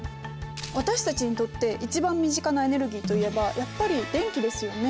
私たちにとって一番身近なエネルギーといえばやっぱり電気ですよね。